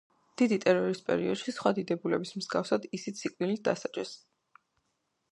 დიდი ტერორის პერიოდში სხვა დიდებულების მსგავსად ისიც სიკვდილით დასაჯეს.